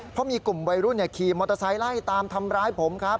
เพราะมีกลุ่มวัยรุ่นขี่มอเตอร์ไซค์ไล่ตามทำร้ายผมครับ